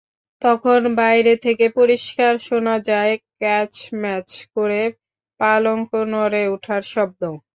তখন বাইরে থেকে পরিষ্কার শোনা যায় ক্যাচম্যাচ করে পালঙ্ক নড়ে ওঠার শব্দ।